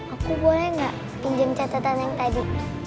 aku boleh gak pinjam catatan yang tadi